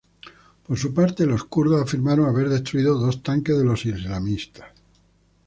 Por su parte, los kurdos afirmaron haber destruido dos tanques de los islamistas.